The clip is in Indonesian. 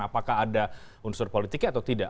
apakah ada unsur politiknya atau tidak